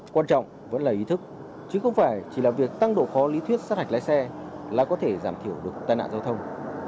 quan trọng vẫn là ý thức chứ không phải chỉ là việc tăng độ khó lý thuyết sát hạch lái xe là có thể giảm thiểu được tai nạn giao thông